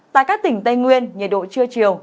tại các tỉnh tây nguyên nhiệt độ trưa chiều